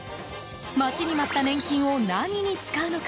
待ちに待った年金を何に使うのか。